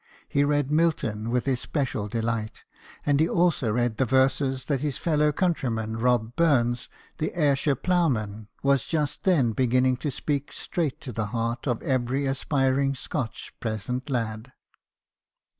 He read Milton with especial delight; and he also read the verses that his fellow countryman, Rob Burns, the Ayrshire ploughman, was then just beginning to speak straight to the heart of every aspiring Scotch peasant lad.